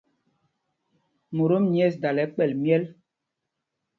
Motom nyɛ̂ɛs dala kpɛ̌l myɛl.